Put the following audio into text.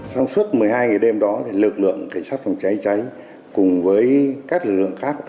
trong suốt một mươi hai ngày đêm đó lực lượng cảnh sát phòng cháy cháy cùng với các lực lượng khác